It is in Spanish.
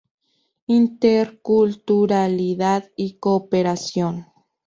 Interculturalidad y Cooperación.